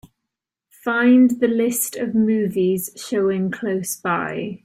Find the list of movies showing close by